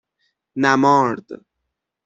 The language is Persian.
نَمارد